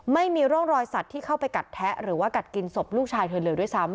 ไม่มีร่องรอยสัตว์ที่เข้าไปกัดแทะหรือว่ากัดกินศพลูกชายเธอเลยด้วยซ้ำ